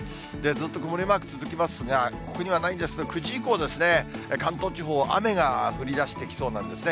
ずっと曇りマーク続きますが、ここにはないんですが、９時以降ですね、関東地方、雨が降りだしてきそうなんですね。